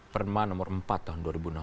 perman nr empat tahun dua ribu enam belas